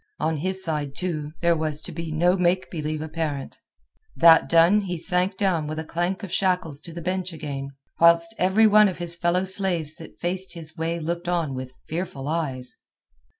On his side, too, there was to be no make believe apparent. That done he sank down with a clank of shackles to the bench again, whilst every one of his fellow slaves that faced his way looked on with fearful eyes.